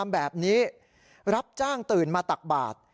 แบบนี้รับจ้างตื่นมาตักบาท